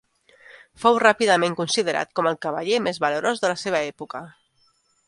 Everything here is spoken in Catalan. Fou ràpidament considerat com el cavaller més valerós de la seva època.